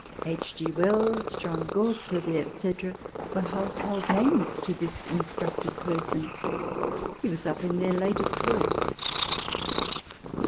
H. G. Wells, John Galsworthy, etc., were house hold names to this instructed person ; he was up in their latest works.